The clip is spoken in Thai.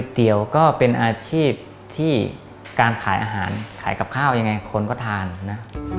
ที่การขายอาหารขายกับข้าวยังไงคนก็ทานนะ